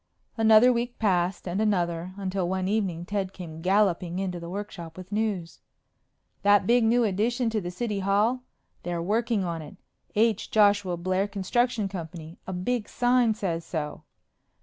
Another week passed, and another, until one evening Ted came galloping into the workshop with news. "That big new addition to the City Hall! They're working on it! H. Joshua Blair Construction Company. A big sign says so!"